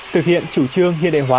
thực hiện chủ trương hiên đệ hóa